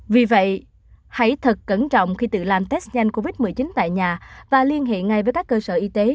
vì vậy hãy thật cẩn trọng khi tự làm test nhanh covid một mươi chín tại nhà và liên hệ ngay với các cơ sở y tế